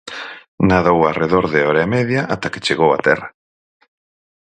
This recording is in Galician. Nadou arredor de hora e media ata que chegou a terra.